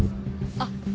あっ。